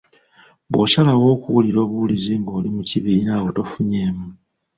Bw’osalawo okuwulira obuwulizi ng’oli mu kibiina awo tofunyeemu.